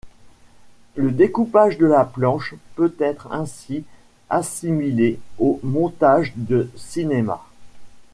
Le découpage de la planche peut être ainsi assimilé au montage de cinéma.